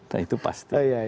nah itu pasti